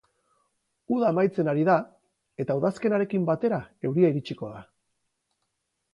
Uda amaitzen ari da, eta udazkenarekin batera euria iritsiko da.